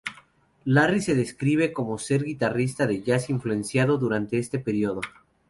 Larry se describe como ser un guitarrista de jazz influenciado durante este período.